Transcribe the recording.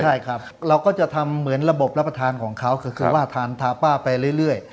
ใช่ครับเราก็จะทำเหมือนระบบรับประทานของเขาก็คือว่าทานทาป้าไปเรื่อย